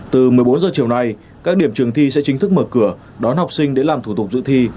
từ một mươi bốn h chiều nay các điểm trường thi sẽ chính thức mở cửa đón học sinh đến làm thủ tục dự thi